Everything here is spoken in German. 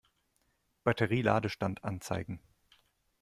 Batterie-Ladestand anzeigen.